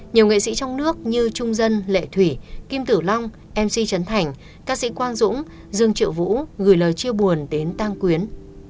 nhiều nghệ sĩ trong nước như trung dân lệ thủy kim tử long mc chấn thành ca sĩ quang dũng dương triệu vũ gửi lời chia buồn đến tăng quyến